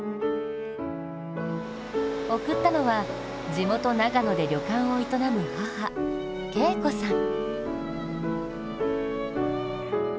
送ったのは、地元長野で旅館を営む母・恵子さん。